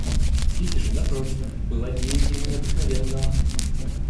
Кити же, напротив, была деятельнее обыкновенного.